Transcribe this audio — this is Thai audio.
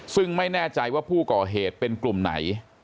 ซึ่งไม่แน่ใจว่าผู้ก่อเหตุเป็นกลุ่มไหน